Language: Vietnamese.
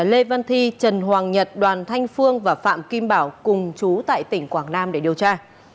lê văn thi trần hoàng nhật đoàn thanh phương và phạm kim bảo cùng chú tại tỉnh quảng nam để điều tra